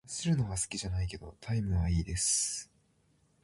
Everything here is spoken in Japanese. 走るのは好きじゃないけど、タイムは良いです。